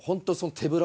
手ぶら？